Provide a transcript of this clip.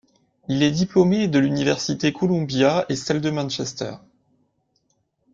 Il est diplômé de de l'universités Columbia et celle de Manchester.